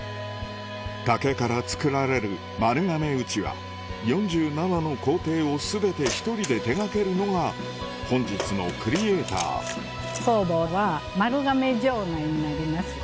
竹から作られる丸亀うちわ４７の工程を全て１人で手掛けるのが本日のクリエイターやっぱり。